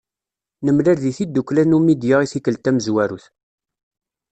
Nemlal-d tiddukkla Numidya i tikkelt tamezwarut.